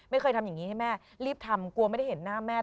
ทำอย่างนี้ให้แม่รีบทำกลัวไม่ได้เห็นหน้าแม่